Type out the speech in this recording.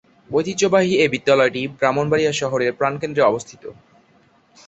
ঐতিহ্যবাহী এ বিদ্যালয়টি ব্রাহ্মণবাড়িয়া শহরের প্রাণকেন্দ্রে অবস্থিত।